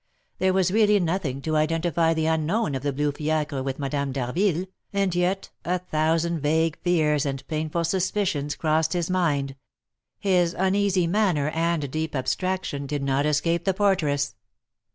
There was really nothing to identify the unknown of the blue fiacre with Madame d'Harville, and yet a thousand vague fears and painful suspicions crossed his mind; his uneasy manner and deep abstraction did not escape the porteress.